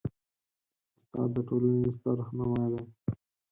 استاد د ټولنې ستر رهنما دی.